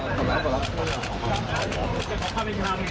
เนี้ย